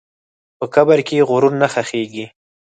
په قبر کې غرور نه ښخېږي.